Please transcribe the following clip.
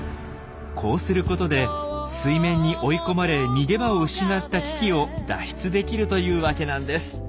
こうすることで水面に追い込まれ逃げ場を失った危機を脱出できるというわけなんです。